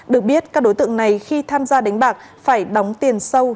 được biết các đối tượng này khi tham gia đánh bạc phải đóng tiền sâu